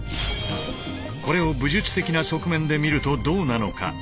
これを武術的な側面で見るとどうなのか。